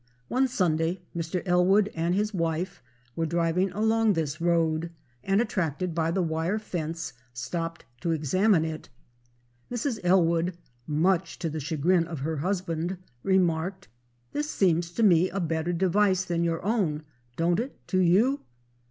One Sunday Mr. Ellwood and his wife were driving along this road and attracted by the wire fence stopped to examine it. Mrs. Ellwood, much to the chagrin of her husband, remarked: "This seems to me a better device than your own, don't it to you?"